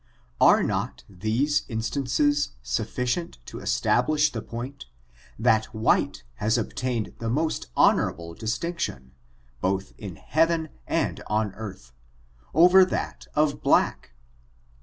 Are not these instances sufficient to establish tha. poin^ that white has obtained the most honorable d» tinction, both in heaven and on earth, over thai of black.